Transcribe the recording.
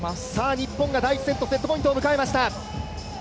日本が第１セット、セットポイントを迎えました。